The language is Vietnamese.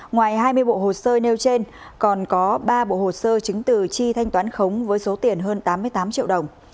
ngoài hai mươi bộ hồ sơ nêu trên còn có ba bộ hồ sơ chứng từ chi thanh toán khống với số tiền hơn tám mươi tám triệu đồng